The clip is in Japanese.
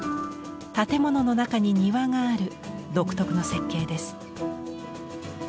建物の中に庭がある独特の設計です。